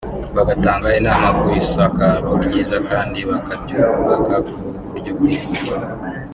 bagatanga inama ku isakaro ryiza kandi bakabyubaka ku buryo bwiza